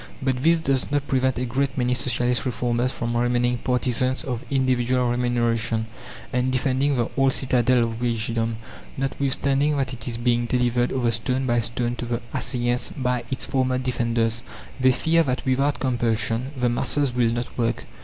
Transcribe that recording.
But this does not prevent a great many Socialist reformers from remaining partisans of individual remuneration, and defending the old citadel of wagedom, notwithstanding that it is being delivered over stone by stone to the assailants by its former defenders. They fear that without compulsion the masses will not work.